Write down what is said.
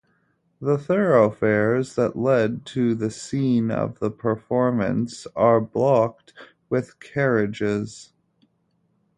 The thoroughfares that lead to the scene of the performance are blocked with carriages.